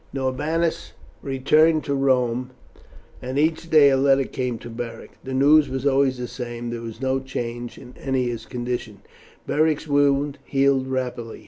Norbanus returned to Rome, and each day a letter came to Beric. The news was always the same; there was no change in Ennia's condition. Beric's wound healed rapidly.